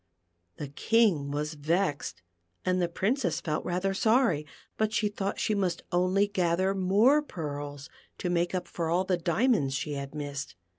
The King was vexed and the Princess felt rather sorry, but she thought she must only gather more pearls to make up for all the diamonds she had 22 THE PEARL FOUNTAIN. missed.